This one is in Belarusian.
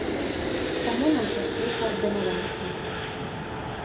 Таму нам прасцей каардынавацца.